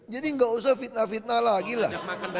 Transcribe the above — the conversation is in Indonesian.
jadi nggak usah fitnah fitnah lagi lah